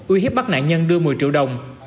uy hiếp bắt nạn nhân đưa một mươi triệu đồng